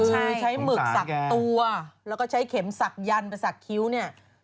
คือใช้หมึกสักตัวแล้วก็ใช้เข็มศักดันไปสักคิ้วเนี่ย